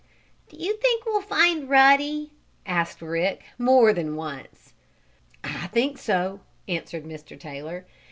"Do you think we'll find Ruddy?" asked Rick more than once. "I think so," answered Mr. Taylor.